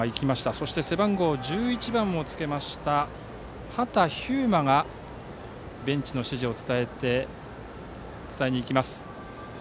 そして背番号１１番の畑飛雄馬がベンチの指示を伝えにいきます。